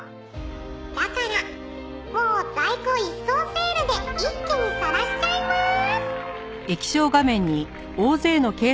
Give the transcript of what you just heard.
「だからもう在庫一掃セールで一気に晒しちゃいます！」